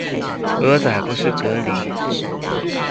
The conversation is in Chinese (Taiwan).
蚵仔不是蛤蠣